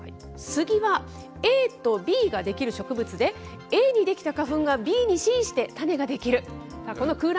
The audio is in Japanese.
スギはＡとＢができる植物で、Ａにできた花粉がＢにＣして種子ができる。